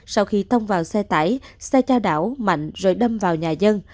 sau khi thông vào xe tải xe trao đảo mạnh rồi đâm vào nhà dân